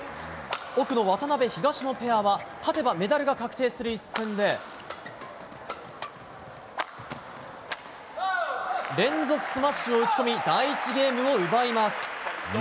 奥の渡辺、東野ペアは勝てば銅メダルが決まる一戦で連続スマッシュを打ち込み第１ゲームを奪います。